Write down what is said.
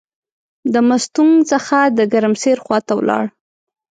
د مستونګ څخه د ګرمسیر خواته ولاړ.